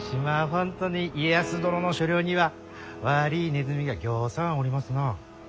本当に家康殿の所領には悪いネズミがぎょうさんおりますなあ。